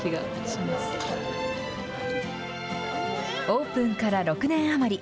オープンから６年余り。